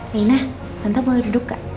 reina tante boleh duduk kak